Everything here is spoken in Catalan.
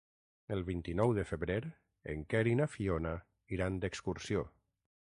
El vint-i-nou de febrer en Quer i na Fiona iran d'excursió.